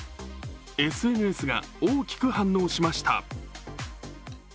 ＳＮＳが大きく反応しました。